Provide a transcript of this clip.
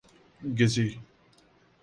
گسی